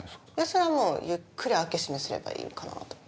それはもうゆっくり開け閉めすればいいかなと。